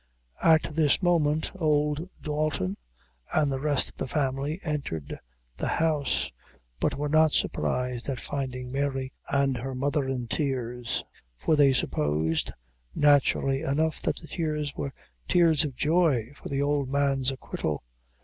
At this moment old Dalton and the rest of the family entered the house, but were not surprised at finding Mary and her mother in tears; for they supposed, naturally enough, that the tears were tears of joy for the old man's acquittal.